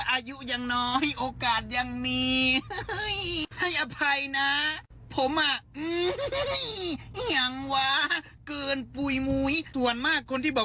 อายุยังน้อยโอกาสยังมี